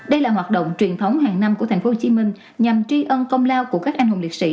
đây là hoạt động truyền thống hàng năm của tp hcm nhằm tri ân công lao của các anh hùng liệt sĩ